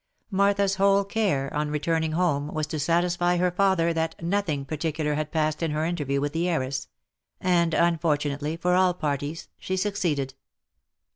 Martha's whole care, on returning home, was to satisfy her father that nothing particular had passed in her interview with the heiress ; and, unfortunately for all parties, she succeeded.